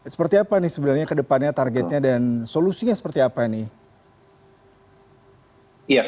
seperti apa nih sebenarnya ke depannya targetnya dan solusinya seperti apa nih